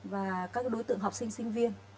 và các đối tượng học sinh sinh viên